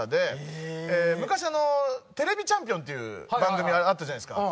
昔『ＴＶチャンピオン』っていう番組あったじゃないですか。